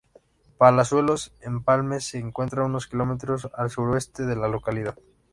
Palazuelo-Empalme se encuentra unos kilómetros al suroeste de la localidad.